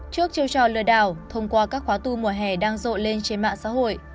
trước chiêu trò lừa đảo thông qua các khóa tu mùa hè đang rộ lên trên mạng xã hội